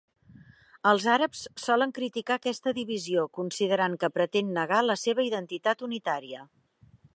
Els àrabs solen criticar aquesta divisió, considerant que pretén negar la seva identitat unitària.